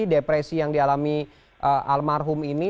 depresi yang dialami almarhum ini